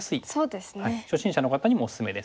初心者の方にもおすすめです。